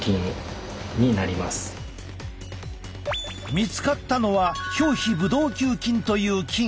見つかったのは表皮ブドウ球菌という菌。